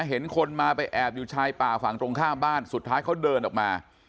เห็นคนมาไปแอบอยู่ชายป่าฝั่งตรงข้ามบ้านสุดท้ายเขาเดินออกมา